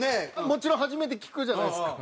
もちろん初めて聞くじゃないですか。